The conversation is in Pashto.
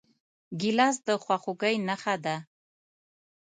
ګیلاس د خواخوږۍ نښه ده.